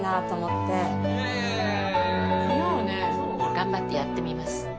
頑張ってやってみます。